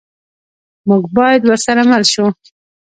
موږ باید ورسره مل شو.